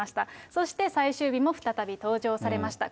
そして最終日も再び登場されました。